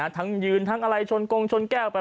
ทั้งยืนทั้งอะไรชนกงชนแก้วไป